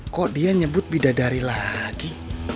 kok dia nyebut bidadari lagi